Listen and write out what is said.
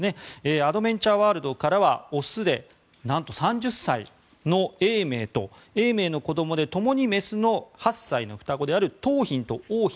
アドベンチャーワールドからは雄で、なんと３０歳の永明と永明の子どもで、ともに雌の８歳の双子である桃浜と桜浜